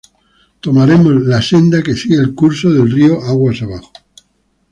Tomaremos la senda que sigue el curso del río aguas abajo.